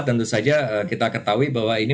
tentu saja kita ketahui bahwa ini